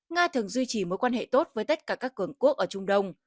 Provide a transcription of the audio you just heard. nga thường duy trì mối quan hệ tốt với tất cả các cường quốc ở trung đông